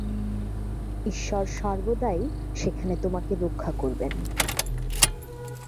ঈশ্বর সর্বদাই সেখানে তোমাকে রক্ষা করবেন।